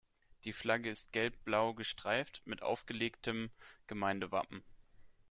Die Flagge ist gelb-blau gestreift mit aufgelegtem Gemeindewappen.